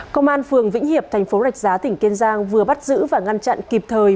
công an phường vĩnh hiệp thành phố rạch giá tỉnh kiên giang vừa bắt giữ và ngăn chặn kịp thời